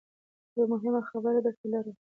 یوه مهمه خبره درته لرم .